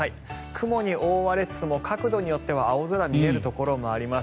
雲に覆われつつも角度によっては青空見えるところもあります。